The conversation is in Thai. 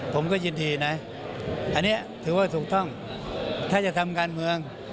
ผมก็ยินดีนะอันนี้ถือว่าถูกต้องถ้าจะทำการเมือง